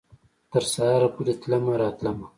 تر سهاره پورې تلمه او راتلمه